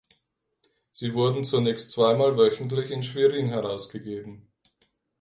Sie wurde zunächst zweimal wöchentlich in Schwerin herausgegeben.